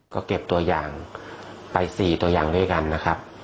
ก็เก็บตัวอย่างไป๔ตัวอย่างด้วยกันนะครับ